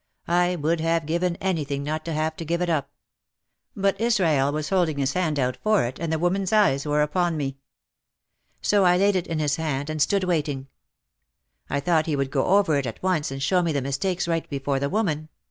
I would have given anything not to have to give it up. But Israel was holding his hand out for it and the woman's eyes were upon me. So I laid it in his hand and stood wait ing. I thought he would go over it at once and show me the mistakes right before the woman.